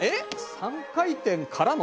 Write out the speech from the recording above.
３回転からの。